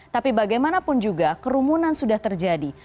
tapi bagaimanapun juga kerumunan sudah terjadi